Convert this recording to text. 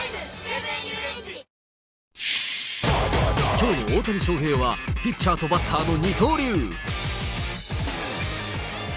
きょう、大谷翔平はピッチャーとバッターの二刀流。